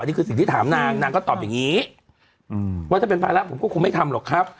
นี่คือสิ่งที่ถามนางนางก็ตอบอย่างนี้ว่าถ้าเป็นภาระผมก็คงไม่ทำหรอกครับ